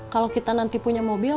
kalau kita nanti punya mobil